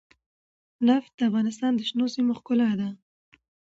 نفت د افغانستان د شنو سیمو ښکلا ده.